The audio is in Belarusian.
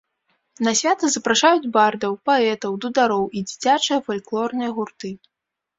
На свята запрашаюць бардаў, паэтаў, дудароў і дзіцячыя фальклорныя гурты.